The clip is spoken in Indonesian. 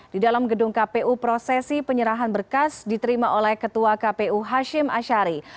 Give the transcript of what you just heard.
di dalam gedung kpu prosesi penyerahan berkas diterima oleh ketua kpu hashim ashari